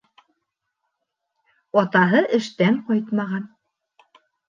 Атаһы эштән ҡайтмаған.